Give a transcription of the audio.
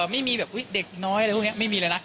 ไม่มีแบบเด็กน้อยอะไรพวกนี้ไม่มีเลยนะ